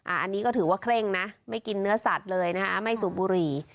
อันนี้ก็ถือว่าเคร่งนะไม่กินเนื้อสัตว์เลยนะคะไม่สูบบุหรี่